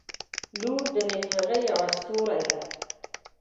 • لور د نیکمرغۍ یوه ستوری ده.